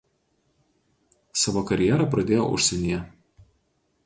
Savo karjerą pradėjo užsienyje.